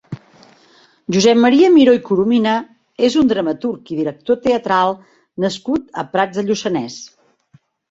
Josep Maria Miró i Coromina és un dramaturg i director teatral nascut a Prats de Lluçanès.